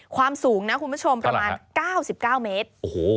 ความสูงนะคุณผู้ชมประมาณ๙๙เมตร